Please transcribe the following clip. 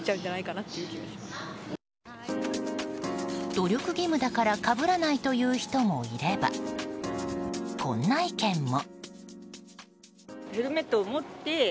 努力義務だからかぶらないという人もいればこんな意見も。